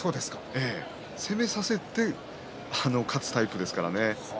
攻めさせて勝つタイプです。